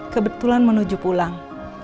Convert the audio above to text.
kebetulan menuju pulang